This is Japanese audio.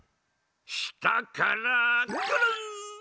したからくるん！